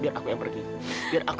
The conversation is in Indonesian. janganlah aku yang selalu menjengkelkanmu